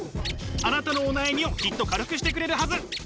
あなたのお悩みをきっと軽くしてくれるはず。